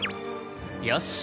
よし。